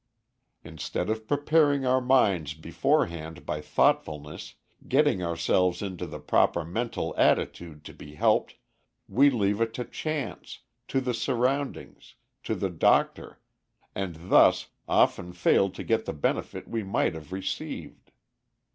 Instead of preparing our minds beforehand by thoughtfulness, getting ourselves into the proper mental attitude to be helped, we leave it to chance, to the surroundings, to the doctor, and thus often fail to get the benefit we might have received.